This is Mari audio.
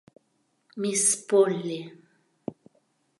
Мисс Полли